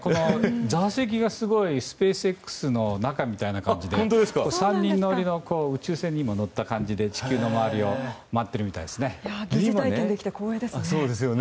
座席がすごいスペースＸの中みたいで３人乗りの宇宙船にも乗った感じで地球の周りを回ってるみたいですね。